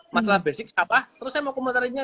masalah basic apa terus saya mau komentarinnya